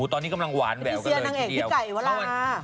อ่าตัวนี้กำลังหวานแหววกันเลยทีเดียวพาติเซียนนางเอกพี่ไก่ว่าล่ะ